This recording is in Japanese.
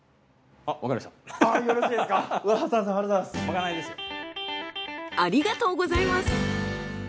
ありがとうございます。